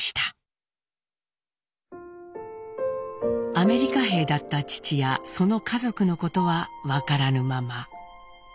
アメリカ兵だった父やその家族のことは分からぬまま。